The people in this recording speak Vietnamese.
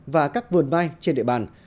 và các vườn mai trên địa bàn